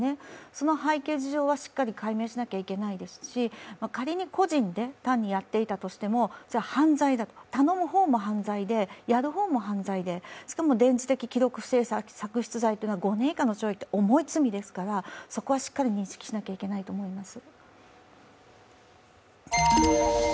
その背景事情はしっかり解明しなければいけないですし仮に個人で単にやっていたとしても、犯罪だ、頼む方も犯罪で、やる方も犯罪で、しかも電磁的記録不正作出というのは重い罪ですから、そこはしっかり認識しなければいけないと思います。